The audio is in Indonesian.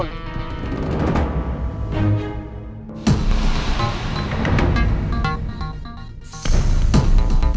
yang paling keren ini